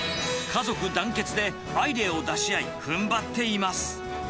家族団結でアイデアを出し合い、ふんばっています。